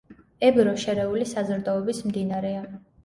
ებრო შერეული საზრდოობის მდინარეა.